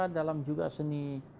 dalam juga seni kria lainnya